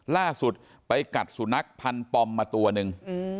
ล่าสุดไปกัดสุนัขพันธ์ปอมมาตัวหนึ่ง